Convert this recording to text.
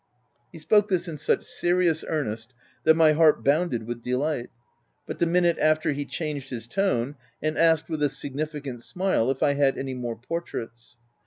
He spoke this in such serious earnest that my heart bounded with delight; but the minute after he changed his tone, and asked, with a significant smile, if I had u any more portraits."